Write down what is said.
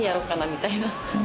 みたいな。